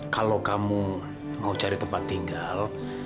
kalau kamu mau cari tempat tinggal